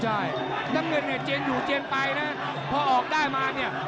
ใช่ดังนั้นเนี้ยเจนอยู่เจนไปน่ะพอออกได้มาเนี้ย